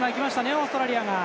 オーストラリアが。